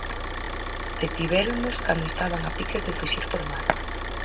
Detivéronos cando estaban a piques de fuxir por mar.